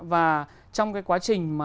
và trong cái quá trình